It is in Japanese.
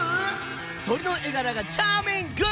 鳥の絵柄がチャーミング。